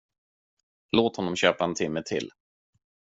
Låt honom köpa en timme till.